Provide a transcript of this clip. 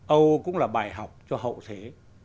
âu cũng là bài học cho hậu thế